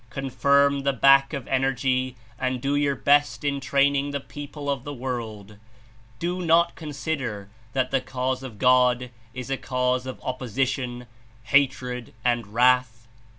Confirm the back of energy and do your best In training the people of the world. Do not consider that the Cause of God Is a cause of opposi tion, hatred and wrath.